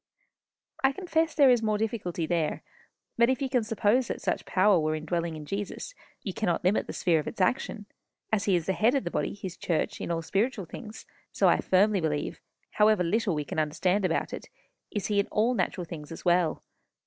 "I confess there is more difficulty there. But if you can suppose that such power were indwelling in Jesus, you cannot limit the sphere of its action. As he is the head of the body, his church, in all spiritual things, so I firmly believe, however little we can understand about it, is he in all natural things as well.